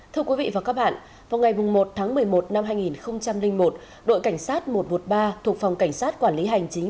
thưa quý vị và các bạn vào ngày một tháng một mươi một năm hai nghìn một đội cảnh sát một trăm một mươi ba thuộc phòng cảnh sát quản lý hành chính